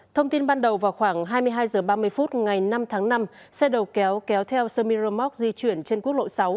thông tin ban đầu vào khoảng hai mươi hai h ba mươi phút ngày năm tháng năm xe đầu kéo kéo theo semiramoc di chuyển trên quốc lộ sáu